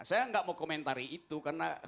saya nggak mau komentari itu karena